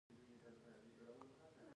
د کاناډا ټیکنالوژي پرمختللې ده.